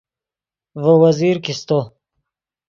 ڤے وزیر کیستو